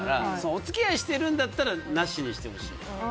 お付き合いしてるんだったらなしにしてほしい。